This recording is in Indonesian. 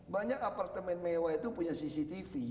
banyak apartemen mewah itu punya cctv